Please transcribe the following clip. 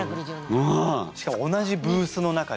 しかも同じブースの中で。